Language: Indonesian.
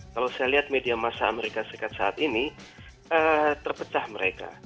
kalau saya lihat media masa amerika serikat saat ini terpecah mereka